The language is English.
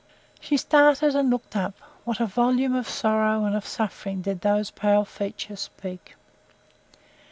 She started, and looked up. What a volume of sorrow and of suffering did those pale features speak!